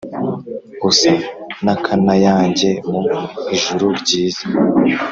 usa n'akanayange mu ijuru ryiza